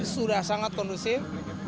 sudah sangat kondusif